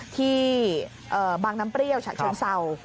ที่บางน้ำเปรี้ยวฉะเชิงเศร้า